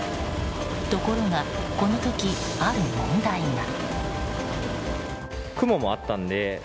ところが、この時ある問題が。